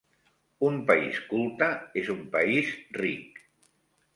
Un país culte és un país ric.